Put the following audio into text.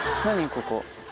ここ。